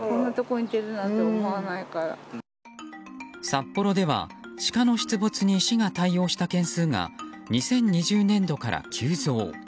札幌では、シカの出没に市が対応した件数が２０２０年度から急増。